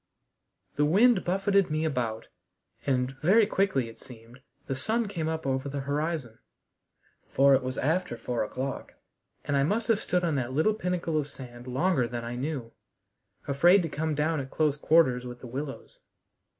The wind buffeted me about, and, very quickly it seemed, the sun came up over the horizon, for it was after four o'clock, and I must have stood on that little pinnacle of sand longer than I knew, afraid to come down at close quarters with the willows.